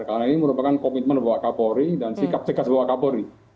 karena ini merupakan komitmen bapak kapolri dan sikap cekas bapak kapolri